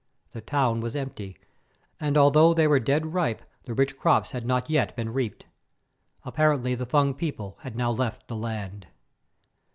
The town was empty, and although they were dead ripe the rich crops had not yet been reaped. Apparently the Fung people had now left the land.